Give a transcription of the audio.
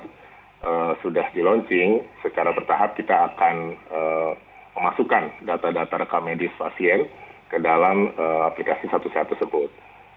kalau sudah di launching secara bertahap kita akan memasukkan data data rekamedis pasien ke dalam aplikasi satu sehat tersebut